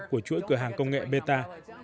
của chuỗi cửa hàng công nghệ beta